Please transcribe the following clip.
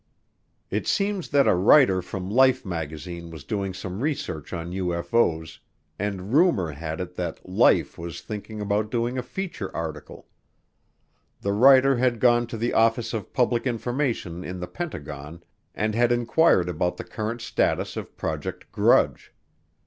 It seems that a writer from Life magazine was doing some research on UFO's and rumor had it that Life was thinking about doing a feature article. The writer had gone to the Office of Public Information in the Pentagon and had inquired about the current status of Project Grudge.